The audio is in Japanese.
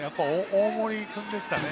大森君ですかね。